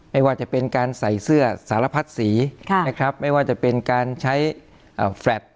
ไม่ว่าจะเป็นการใส่เสื้อสารพัดสีนะครับไม่ว่าจะเป็นการใช้แฟลต